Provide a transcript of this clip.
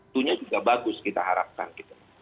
itunya juga bagus kita harapkan gitu